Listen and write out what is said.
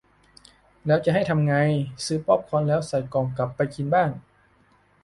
แล้วให้ทำไง ซื้อป๊อปคอร์นแล้วใส่กล่องกลับไปกินบ้าน